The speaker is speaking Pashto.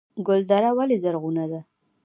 ګلدره ولې زرغونه ده؟